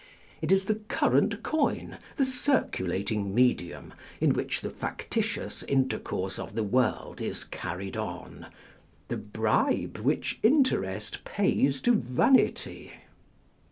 It is the On Respectable People. 509 current coin, the circulating medium, in which the fac titious intercourse of the world is carried on, the bribe which interest pays to vanity.